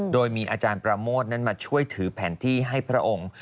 โดยมีอาจารย์ประโมทนั้นมาช่วยถือแผนที่ให้พระองค์